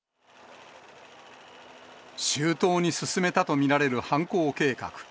周到に進めたと見られる犯行計画。